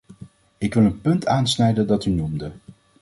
Ik wil een punt aansnijden dat u noemde.